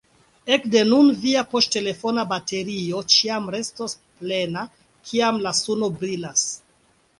Ekde nun via poŝtelefona baterio ĉiam restos plena, kiam la suno brilas!